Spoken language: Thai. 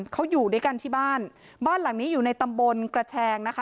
เขาอยู่ด้วยกันที่บ้านบ้านหลังนี้อยู่ในตำบลกระแชงนะคะ